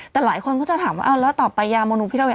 แต่หลายคนก็จะถามว่าแล้วต่อไปยามนูพิทัศน์